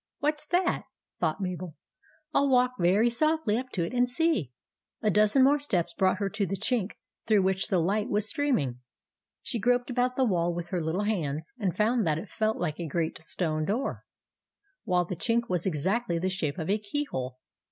"What's that?" thought Mabel. " I '11 walk very softly up to it and see. ,, A dozen more steps brought her to the chink through which the light was stream ing. She groped about the wall with her lit tle hands, and found that it felt like a great stone door, while the chink was exactly the shape of a key hole.